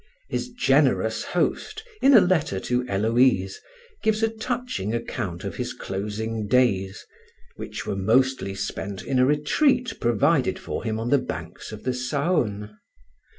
His generous host, in a letter to Héloïse, gives a touching account of his closing days, which were mostly spent in a retreat provided for him on the banks of the Saône.